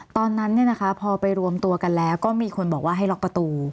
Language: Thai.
ตอนนั้นพอไปรวมตัวกันแล้วก็มีคนบอกว่าให้ล็อกประตู